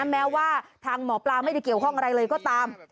แม้ว่าทางหมอปลาไม่ได้เกี่ยวข้องอะไรเลยก็ตาม